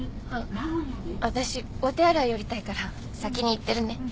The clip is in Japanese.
あっ私お手洗い寄りたいから先に行ってるね。